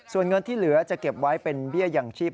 ส่วนเงินที่เหลือจะเก็บไว้เป็นเบี้ยอย่างชีพ